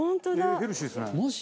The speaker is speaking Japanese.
ヘルシーですね。